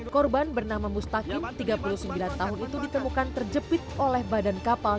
korban bernama mustaqim tiga puluh sembilan tahun itu ditemukan terjepit oleh badan kapal